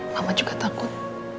mama juga takut